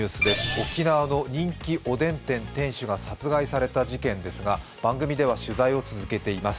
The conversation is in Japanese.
沖縄の人気おでん店、店主が殺害された事件ですが、番組では取材を続けています。